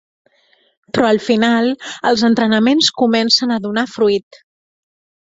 Però al final els entrenaments comencen a donar fruit.